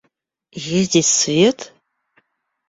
Ездить в свет?